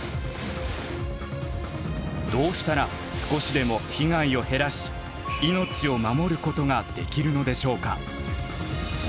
どうしたら少しでも被害を減らし命を守ることができるのでしょうか？